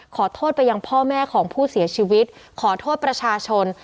ขอโทษไปยังพ่อแม่ของผู้เสียชีวิตขอโทษประชาชน